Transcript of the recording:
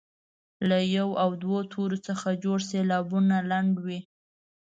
له یو او دوو تورو څخه جوړ سېلابونه لنډ وي.